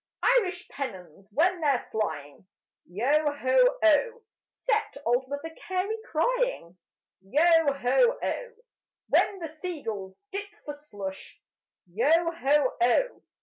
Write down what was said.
Irish pennons when they're flying, Yo ho oh! Set old Mother Carey crying: Yo ho oh! When the sea gulls dip for slush, Yo ho oh!